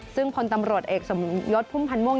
ซึ่งพลตำรวจเอกสมยศพุ่มพันธ์ม่วง